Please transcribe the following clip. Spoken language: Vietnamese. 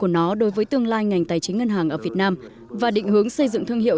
nó đối với tương lai ngành tài chính ngân hàng ở việt nam và định hướng xây dựng thương hiệu